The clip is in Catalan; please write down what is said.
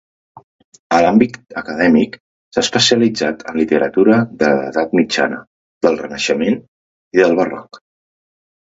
En l’àmbit acadèmic, s’ha especialitzat en literatura de l’Edat Mitjana, del Renaixement i del Barroc.